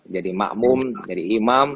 jadi makmum jadi imam